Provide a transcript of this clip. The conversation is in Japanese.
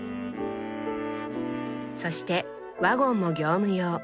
そしてワゴンも業務用。